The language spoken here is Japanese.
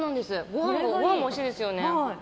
ご飯もおいしいですよね。